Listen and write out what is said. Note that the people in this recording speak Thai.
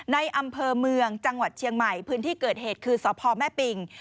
อำเภอเมืองจังหวัดเชียงใหม่พื้นที่เกิดเหตุคือสพแม่ปิง